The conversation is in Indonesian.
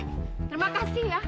terima kasih ya